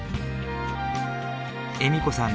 笑子さん